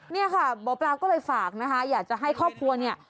เนี่ยค่ะหมอปลาก็เลยฝากนะคะอยากจะให้ครอบครัวเนี่ย